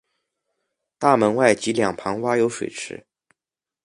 大门外及两旁挖有水池。